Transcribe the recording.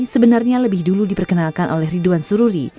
sebenarnya lebih dulu diperkenalkan oleh ridwan sururi